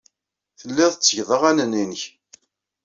Telliḍ tettgeḍ aɣanen-nnek.